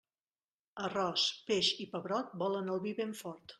Arròs, peix i pebrot volen el vi ben fort.